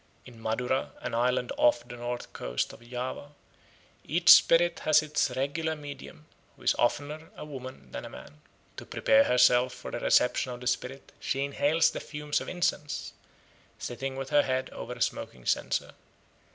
In Madura, an island off the north coast of Java, each spirit has its regular medium, who is oftener a woman than a man. To prepare herself for the reception of the spirit she inhales the fumes of incense, sitting with her head over a smoking censer.